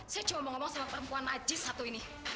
saya cuma mau ngomong sama perempuan ajis satu ini